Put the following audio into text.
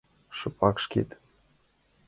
Шыпак, шкетын.